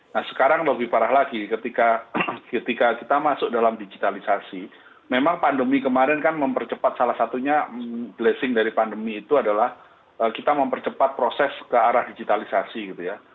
nah sekarang lebih parah lagi ketika kita masuk dalam digitalisasi memang pandemi kemarin kan mempercepat salah satunya blessing dari pandemi itu adalah kita mempercepat proses ke arah digitalisasi gitu ya